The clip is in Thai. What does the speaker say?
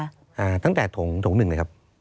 อ่าตั้งแต่ถงถงหนึ่งเลยครับ